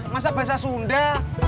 masa bahasa sunda